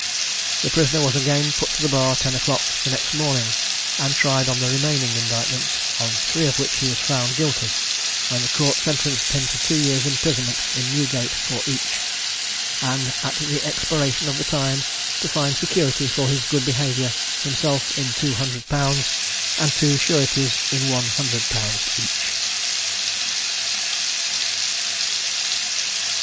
The prisoner was again put to the bar at ten o'clock the next morning, and tried on the remaining indictments, on three of which he was found guilty; when the Court sentenced him to two years' imprisonment in Newgate for each, and at the expiration of the time to find security for his good behaviour, himself in two hundred pounds, and two sureties in one hundred pounds each.